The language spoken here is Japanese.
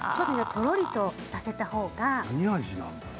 とろりとさせた方が。